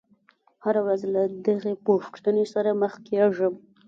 هره ورځ له دغې پوښتنې سره مخ کېږم.